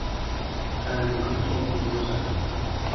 پرندگان تخم میگذارند.